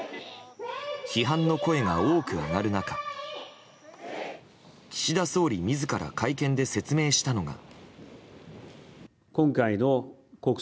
批判の声が多く上がる中岸田総理自ら会見で説明したのが。